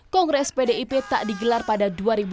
kongres pdip tak digelar pada dua ribu dua puluh